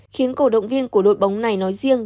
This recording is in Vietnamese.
khiến cổ động viên của đội bóng này nói riêng